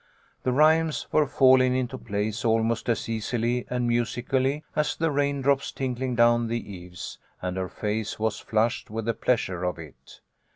The rhymes were falling into place almost as easily and musically as the rain drops tinkling down the eaves, and her face was flushed with the pleasure of it.